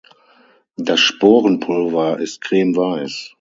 Das Sporenpulver ist cremeweiß.